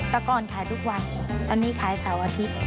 แต่ก่อนขายทุกวันตอนนี้ขายเสาร์อาทิตย์